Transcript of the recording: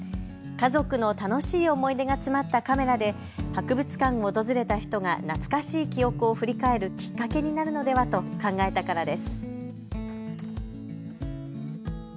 家族の楽しい思い出が詰まったカメラで博物館を訪れた人が懐かしい記憶を振り返るきっかけになるのではと考えたからです。